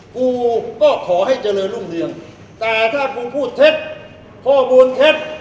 กูก็ขอให้เจริญรุ่งเรืองแต่ถ้ากูพูดเท็จข้อมูลเท็จ